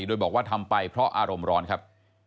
โดยบอกว่าทำไปเพราะอารมณ์ร้อนครับ